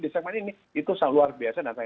di segmen ini itu luar biasa